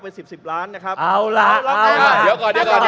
เป็นสิบสิบล้านนะครับเอาล่ะเดี๋ยวก่อนเดี๋ยวก่อน